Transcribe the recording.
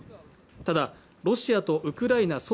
ただロシアとウクライナ